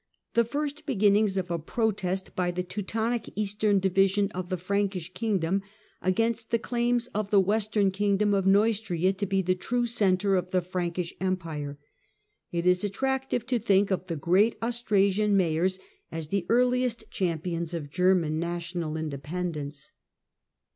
the first beginnings of a protest by the Teutonic eastern division of the Frankish kingdom against the claims of the western kingdom of Neustria to be the true centre of the Frankish Empire. It is attractive to think of the great Austrasian Mayors as the earliest champions of German national independence.